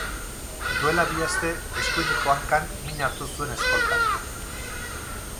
Duela bi aste eskuineko hankan min hartu zuen eskoltak.